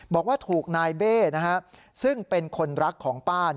บอกว่าถูกนายเบ้ซึ่งเป็นคนรักของป้า